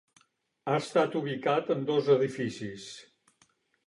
Ha estat ubicat en dos edificis.